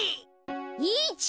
１。